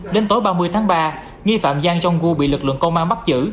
đến tối ba mươi tháng ba nghi phạm zhang zhonggu bị lực lượng công an bắt giữ